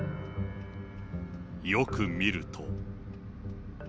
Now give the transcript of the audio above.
よく見ると。